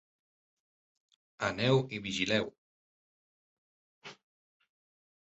Aneu i vigileu!